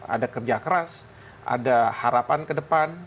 ada kerja keras ada harapan ke depan